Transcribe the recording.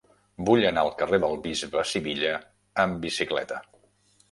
Vull anar al carrer del Bisbe Sivilla amb bicicleta.